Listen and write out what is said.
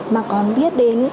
mà còn biết đến